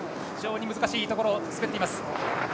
非常に難しいところを滑っています。